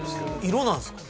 色なんすか？